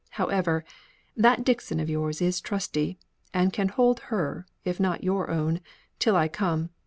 However, that Dixon of yours is trusty; and can hold her, or your own, till I come.